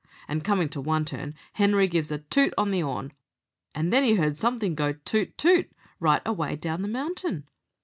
And comin' to one turn Henery gives a toot on the 'orn, and then he heard somethin' go 'toot, toot' right away down the mountain.